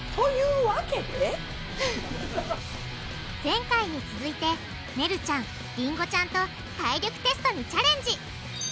前回に続いてねるちゃんりんごちゃんと体力テストにチャレンジ！